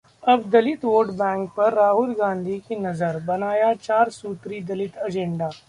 अब दलित vote bank पर राहुल गांधी की नजर, बनाया चार सूत्री दलित एजेंडा